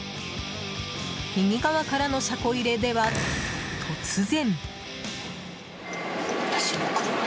右側からの車庫入れでは突然。